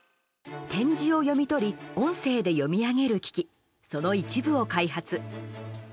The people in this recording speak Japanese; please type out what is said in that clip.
点字を読み取り音声で読み上げる機器その一部を開発。